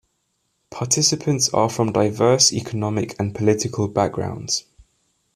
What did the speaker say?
Participants are from diverse economic and political backgrounds.